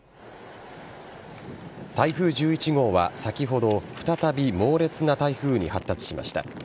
台風１１号は先ほど再び猛烈な台風に発達しました。